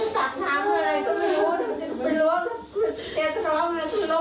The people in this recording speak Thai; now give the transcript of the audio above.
ถ้าตักน้ำอะไรก็ไม่รู้มันล้วน